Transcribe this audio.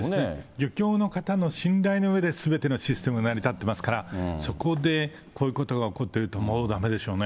漁協の方の信頼の上で、すべてのシステムが成り立ってますから、そこでこういうことが起こっていると、もうだめでしょうね。